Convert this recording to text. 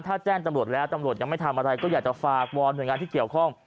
ถ้าแจ้งตำรวจแล้วตำรวจยังไม่ทำอะไรก็อยากจะฝากวอนหน่วยงานที่เกี่ยวข้อง